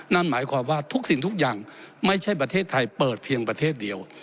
นั่นหมายความว่าทุกสิ่งทุกอย่างไม่ใช่ประเทศไทยเปิดเพียงประเทศเดียว